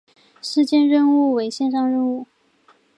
事件任务为线上任务。